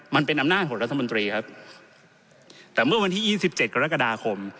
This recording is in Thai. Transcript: มันเป็นอำนาจของรัฐมนตรีครับแต่เมื่อวันที่ยี่สิบเจ็ดกรกฎาคม